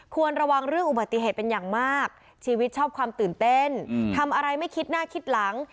ควรระวังเรื่องอุบัติเหตุเป็นอย่างมากชีวิตชอบความตื่นเต้นทำอะไรไม่คิดหน้าคิดหลัง